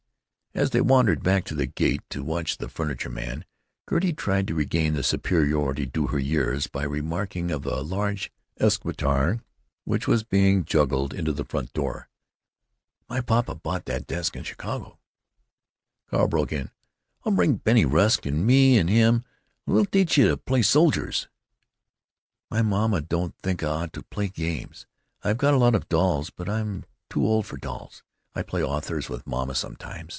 As they wandered back to the gate to watch the furniture man Gertie tried to regain the superiority due her years by remarking, of a large escritoire which was being juggled into the front door, "My papa bought that desk in Chicago——" Carl broke in, "I'll bring Bennie Rusk, and me and him 'll teach you to play soldiers." "My mamma don't think I ought to play games. I've got a lot of dolls, but I'm too old for dolls. I play Authors with mamma, sometimes.